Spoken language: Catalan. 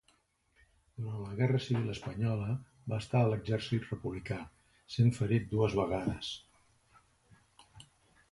Durant la guerra civil espanyola va estar en l'exèrcit republicà, sent ferit dues vegades.